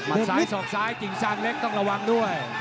หมันซ้ายศอกซ้ายจิงช่างเล็กต้องระวังด้วย